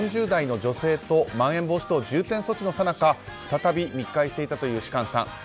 ４０代の女性とまん延防止等重点措置のさなか再び密会していたという芝翫さん。